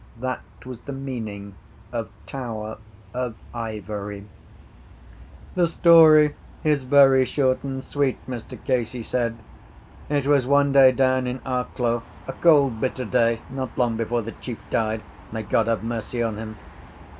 That was the meaning of Tower of Ivory. —The story is very short and sweet, Mr Casey said. It was one day down in Arklow, a cold bitter day, not long before the chief died. May God have mercy on him!